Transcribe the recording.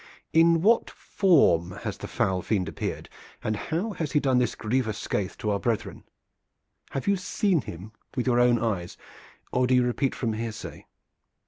In what form has the foul fiend appeared, and how has he done this grievous scathe to our brethren? Have you seen him with your own eyes, or do you repeat from hearsay?